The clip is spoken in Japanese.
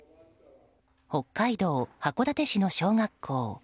北海道函館市の小学校。